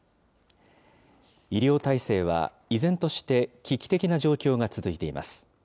医療体制は、依然として危機的な状況が続いています。